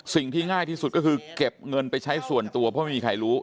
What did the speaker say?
สิ่งที่ง่ายที่สุดก็คือเก็บเงินไปใช้ส่วนตัวเพราะไม่มีใครรู้